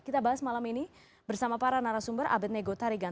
kita bahas malam ini bersama para narasumber abed nego tarigan